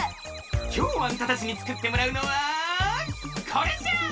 きょうあんたたちにつくってもらうのはこれじゃ！